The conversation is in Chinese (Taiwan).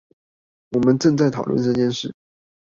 我們正在討論這件事